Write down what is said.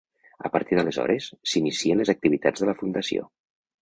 A partir d'aleshores s'inicien les activitats de la Fundació.